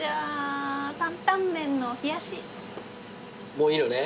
もういいのね？